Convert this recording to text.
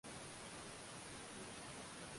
mfano ambao umechukuliwa kwenye utafiti huo ni kuwa